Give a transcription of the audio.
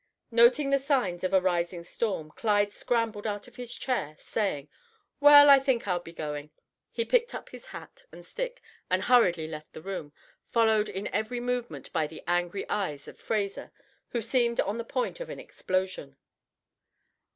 Noting the signs of a rising storm, Clyde scrambled out of his chair, saying: "Well, I think I'll be going." He picked up his hat and stick, and hurriedly left the room, followed in every movement by the angry eyes of Fraser, who seemed on the point of an explosion.